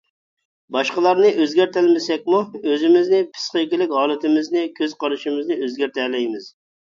باشقىلارنى ئۆزگەرتەلمىسەكمۇ، ئۆزىمىزنى، پىسخىكىلىق ھالىتىمىزنى، كۆز قارىشىمىزنى ئۆزگەرتەلەيمىز.